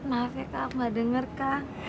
maaf ya kak gak denger kak